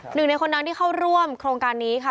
หนึ่งในคนนั้นที่เข้าร่วมโครงการนี้ค่ะ